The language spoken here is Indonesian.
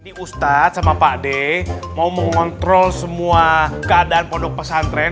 ini ustadz sama pak d mau mengontrol semua keadaan pondok pesantren